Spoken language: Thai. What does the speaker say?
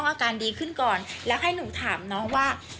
อ้าวไม่เขาจัดการ